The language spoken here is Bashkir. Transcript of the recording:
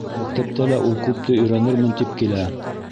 Мәктәптә лә ул күпте өйрәнермен, тип килә.